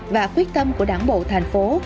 và quyết tâm của đảng bộ thành phố